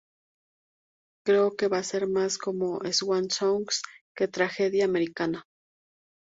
Creo que va a ser más como 'Swan Songs" que "tragedia americana".